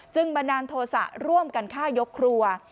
บันดาลโทษะร่วมกันฆ่ายกครัว